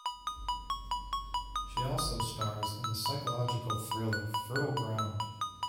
She also stars in the psychological thriller Fertile Ground.